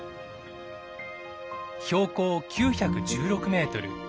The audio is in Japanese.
標高９１６メートル。